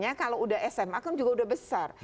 nah artinya kalau sudah sma kan juga sudah besar